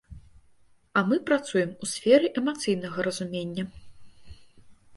А мы працуем у сферы эмацыйнага разумення.